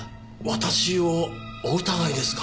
私をお疑いですか？